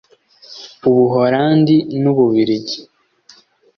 Ubuholandi n’Ububiligi